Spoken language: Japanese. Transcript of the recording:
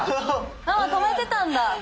ママ止めてたんだ！